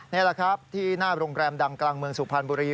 นี่แหละครับที่หน้าโรงแรมดังกลางเมืองสุพรรณบุรี